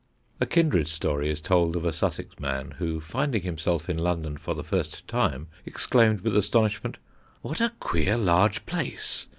A kindred story is told of a Sussex man who, finding himself in London for the first time, exclaimed with astonishment "What a queer large place!